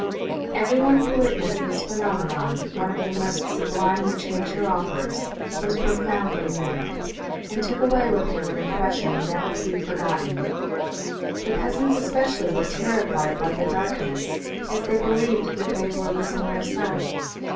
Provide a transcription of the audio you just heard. Every one who witnessed this phenomenon, one of the most sublime which nature offers, was profoundly moved, and took away with him an impression never to be forgot ten. The peasants especially were terrified by the dark ness, as they believed that they were losing their sight.